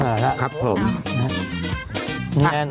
มาแล้วครับผมนะครับแน่นอน